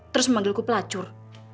terus memanggilku pelacur